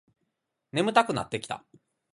眠たくなってきた